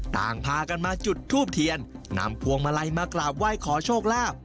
ต่างพากันมาจุดทูบเทียนนำพวงมาลัยมากราบไหว้ขอโชคลาภ